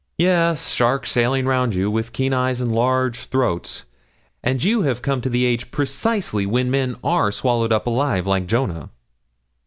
'Yes; sharks sailing round you, with keen eyes and large throats; and you have come to the age precisely when men are swallowed up alive like Jonah.'